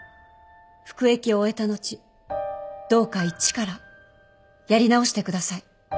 服役を終えた後どうか一からやり直してください。